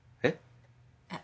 えっ？